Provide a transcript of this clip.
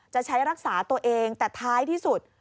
จะใช้รักษาตัวเองแต่ท้ายที่สุด